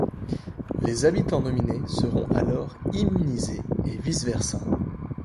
Les habitants nominés seront alors immunisés et vice-versa.